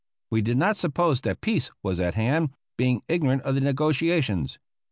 We did not suppose that peace was at hand, being ignorant of the negotiations.